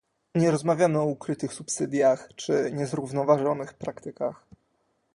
Nie rozmawiamy o ukrytych subsydiach czy niezrównoważonych praktykach